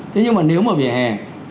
thế nhưng mà nếu mà vỉa hè